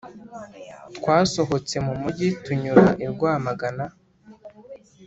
twasohotse mu mugi tunyura i rwamagana,